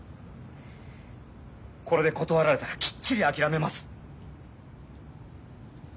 これで断られたらきっちり諦めます。